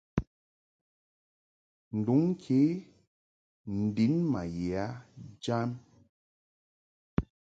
Nduŋ ke n-din ma ye a jam.